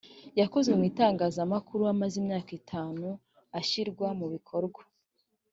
yakozwe mu itangazamukuru amaze imyaka itanu ashyirwa mu bikorwa